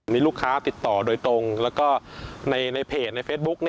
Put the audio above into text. มีลูกค้าติดต่อโดยตรงแล้วก็ในเพจในเฟซบุ๊ก